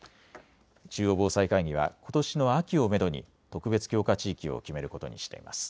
中央防災会議はことしの秋をめどに特別強化地域を決めることにしています。